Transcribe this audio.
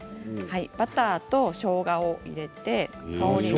バターとしょうがを入れて香りが。